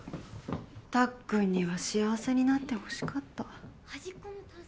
たっくんには幸せになって欲しかった。